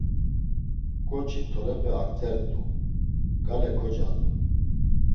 Ǩoçi tolepe aktert̆u, gale kocadu.